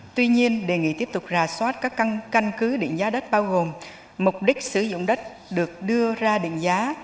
tuy nhiên đề nghị tiếp tục rà soát các căn cứ định giá đất bao gồm mục đích sử dụng đất được đưa ra định giá